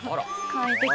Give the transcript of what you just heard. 簡易的な。